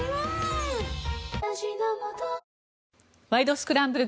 スクランブル」